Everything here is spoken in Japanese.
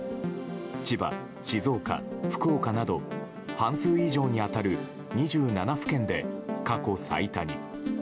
千葉、静岡、福岡など半数以上に当たる２７府県で過去最多に。